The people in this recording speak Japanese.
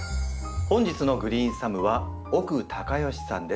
本日のグリーンサムは奥隆善さんです。